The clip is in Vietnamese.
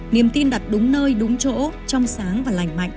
niềm tin đặt đúng nơi đúng chỗ trong sáng và lành mạnh